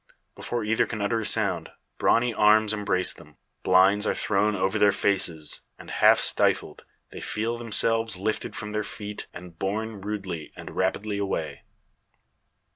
Before either can utter a second, brawny arms embrace them; blinds are thrown over their faces; and, half stifled, they feel themselves lifted from their feet, and borne rudely and rapidly away!